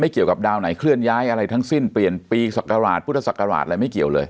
เกี่ยวกับดาวไหนเคลื่อนย้ายอะไรทั้งสิ้นเปลี่ยนปีศักราชพุทธศักราชอะไรไม่เกี่ยวเลย